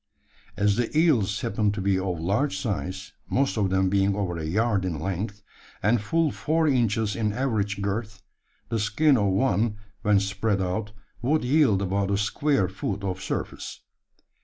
As the eels happened to be of large size most of them being over a yard in length, and full four inches in average girth the skin of one when spread out would yield about a square foot of surface.